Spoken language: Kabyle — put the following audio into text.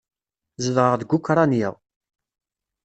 Zedɣeɣ deg Ukṛanya.